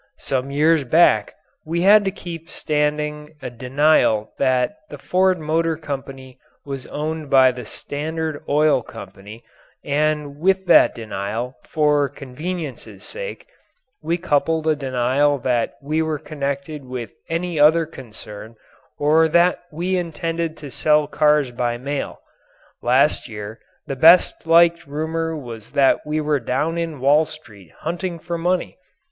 Some years back we had to keep standing a denial that the Ford Motor Company was owned by the Standard Oil Company and with that denial, for convenience's sake, we coupled a denial that we were connected with any other concern or that we intended to sell cars by mail. Last year the best liked rumour was that we were down in Wall Street hunting for money.